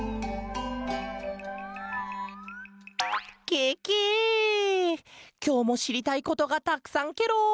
ケケきょうもしりたいことがたくさんケロ。